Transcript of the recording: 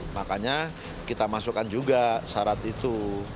makanya kita masukkan juga syarat itu